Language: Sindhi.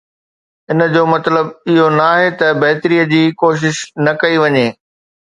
ان جو مطلب اهو ناهي ته بهتري جي ڪوشش نه ڪئي وڃي.